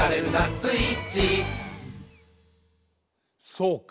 そうか。